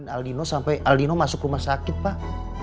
aldino sampai aldino masuk rumah sakit pak